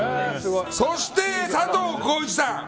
そして佐藤浩市さん